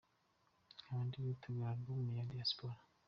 Nkaba ndi gutegura Album ya “Diaspora”.